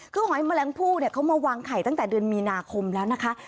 คือหอยแมลงผู้เนี่ยเขามาวางไข่ตั้งแต่เดือนมีนาคมแล้วนะคะ